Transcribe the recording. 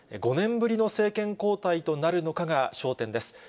５年ぶりの政権交代となるのかが焦点です。